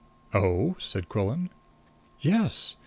"Oh?" said Quillan. "Yes.